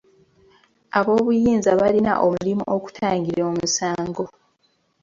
Ab'obuyinza balina omulimu okutangira omusango.